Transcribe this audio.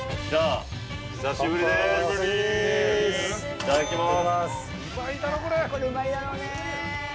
いただきます。